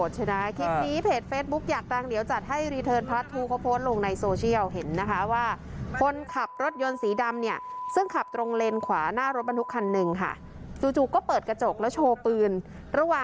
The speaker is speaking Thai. โชว์ปืนนะครับผมก็ขับของผมมาดีนะครับ